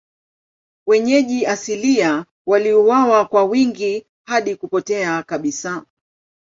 Wenyeji asilia waliuawa kwa wingi hadi kupotea kabisa.